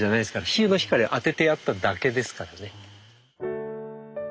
日の光を当ててやっただけですからね。